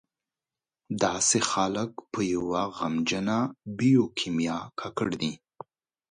داسې خلک په یوه غمجنه بیوکیمیا ککړ دي.